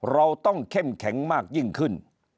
เราต้องเข้มแข็งมากยิ่งขึ้น